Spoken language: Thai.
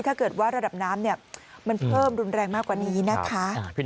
ถ้าเกิดว่าระดับน้ำมันเพิ่มรุนแรงมากกว่านี้นะคะ